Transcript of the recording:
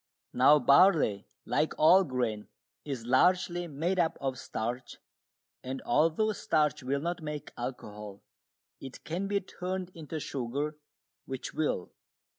Now barley, like all grain, is largely made up of starch, and although starch will not make alcohol, it can be turned into sugar, which will.